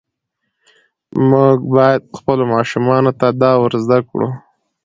موږ باید خپلو ماشومانو ته دا ور زده کړو.